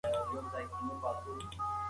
ټولنیز بدلون د وخت په تیریدو سره راځي.